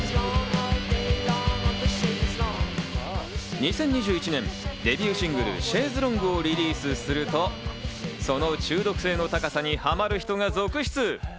２０２１年、デビューシングル『ＣｈａｉｓｅＬｏｎｇｕ』をリリースすると、その中毒性の高さにハマる人が続出。